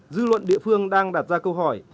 dư luận địa phương đang đặt ra câu hỏi